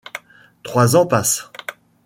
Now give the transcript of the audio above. Trois ans passent.